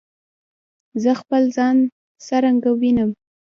زه خپل ځان څرنګه وینم؟